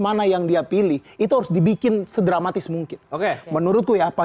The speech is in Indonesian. mana yang dia pilih itu harus dibikin sedramatis mungkin oke menurutku ya pak